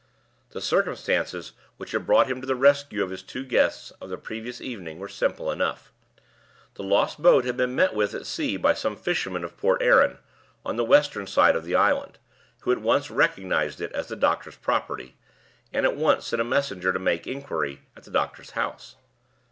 The circumstances which had brought him to the rescue of his two guests of the previous evening were simple enough. The lost boat had been met with at sea by some fishermen of Port Erin, on the western side of the island, who at once recognized it as the doctor's property, and at once sent a messenger to make inquiry, at the doctor's house.